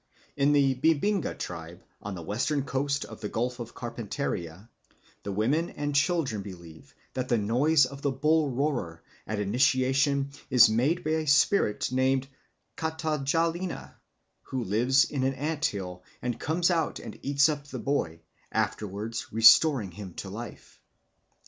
In the Binbinga tribe, on the western coast of the Gulf of Carpentaria, the women and children believe that the noise of the bull roarer at initiation is made by a spirit named Katajalina, who lives in an ant hill and comes out and eats up the boy, afterwards restoring him to life.